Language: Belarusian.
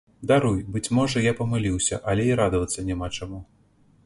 Даруй, быць можа, я памыліўся, але і радавацца няма чаму!